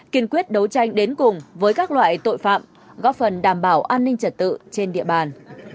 kiên quyết đấu tranh đến cùng với các loại tội phạm góp phần đảm bảo an ninh trật tự trên địa bàn